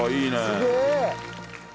すげえ！